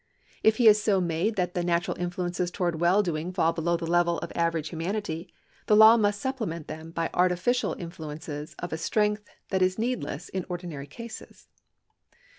If he is so made that the natural influences towards well doing fall below the level of average humanity, the law must supplement them by artificial influences of a strength that is needless in ordinary cases.